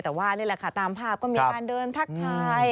แต่ว่านี่แหละค่ะตามภาพก็มีการเดินทักทาย